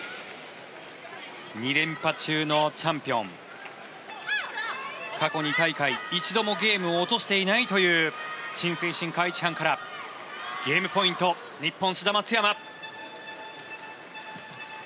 ２連覇中のチャンピオン過去２大会、一度もゲームを落としていないというチン・セイシンカ・イチハンからゲームポイント日本、志田・松山。